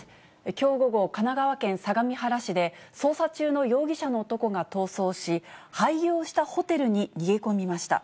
きょう午後、神奈川県相模原市で、捜査中の容疑者の男が逃走し、廃業したホテルに逃げ込みました。